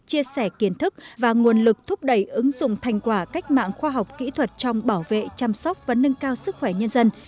chia sẻ kiến thức và nguồn lực thúc đẩy ứng dụng thành quả cách mạng khoa học kỹ thuật trong bảo vệ chăm sóc và nâng cao sức khỏe nhân dân